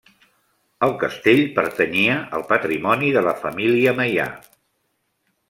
El castell pertanyia al patrimoni de la família Meià.